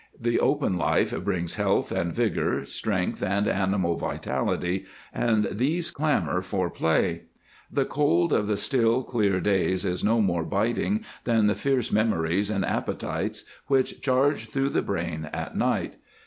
The open life brings health and vigor, strength and animal vitality, and these clamor for play. The cold of the still, clear days is no more biting than the fierce memories and appetites which charge through the brain at night.